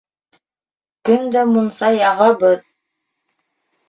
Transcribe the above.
Көн дә мунса яғабыҙ.